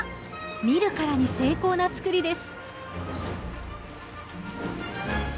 見るからに精巧な作りです